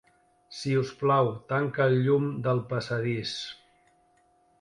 Si us plau, tanca el llum del passadís.